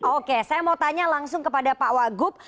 oke saya mau tanya langsung kepada pak wagub